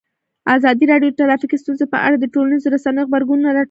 ازادي راډیو د ټرافیکي ستونزې په اړه د ټولنیزو رسنیو غبرګونونه راټول کړي.